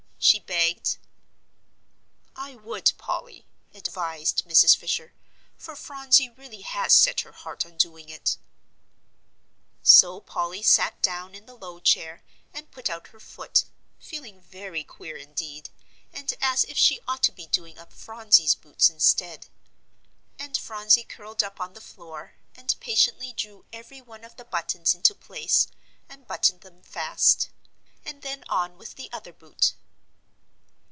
she begged. "I would, Polly," advised Mrs. Fisher, "for Phronsie really has set her heart on doing it." So Polly sat down in the low chair, and put out her foot, feeling very queer indeed, and as if she ought to be doing up Phronsie's boots instead. And Phronsie curled up on the floor, and patiently drew every one of the buttons into place, and buttoned them fast. And then on with the other boot.